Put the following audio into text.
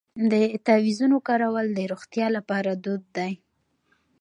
د تعویذونو کارول د روغتیا لپاره دود دی.